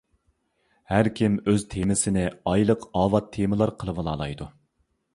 ھەركىم ئۆز تېمىسىنى «ئايلىق ئاۋات تېمىلار» قىلىۋالالمايدۇ.